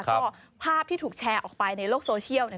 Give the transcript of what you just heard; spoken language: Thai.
ก็ภาพที่ถูกแชร์ออกไปในโลกโซเชียลเนี่ย